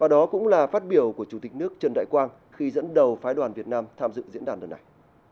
đó cũng là phát biểu của chủ tịch nước trần đại quang khi dẫn đầu phái đoàn việt nam tham dự diễn đàn lần này